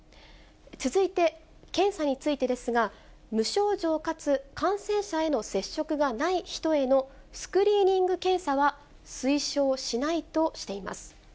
続いて検査についてですが、無症状かつ感染者への接触がない人へのスクリーニング検査は、推奨しないとしています。